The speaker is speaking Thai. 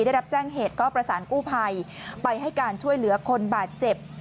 ได้รับแจ้งเหตุก็ประสานกู้ภัยไปให้การช่วยเหลือคนบาดเจ็บ